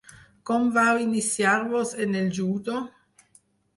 Com vau iniciar-vos en el judo?